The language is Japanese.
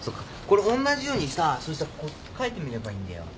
これおんなじようにさそしたらここ書いてみればいいんだよ。